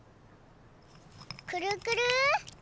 くるくる。